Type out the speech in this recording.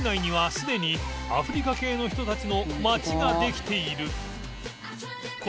すでにアフリカ系の人たちの圓舛できている磴